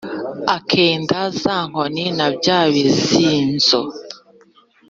akenda za nkoni na bya bizínzo